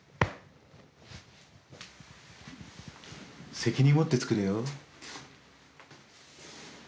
責任持って造れよ。